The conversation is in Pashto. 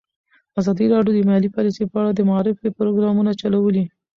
ازادي راډیو د مالي پالیسي په اړه د معارفې پروګرامونه چلولي.